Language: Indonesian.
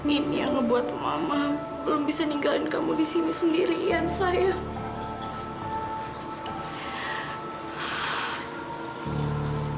ini yang ngebuat mama belum bisa ninggalin kamu di sini sendiri yanda sayang